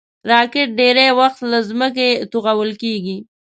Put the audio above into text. راکټ ډېری وخت له ځمکې توغول کېږي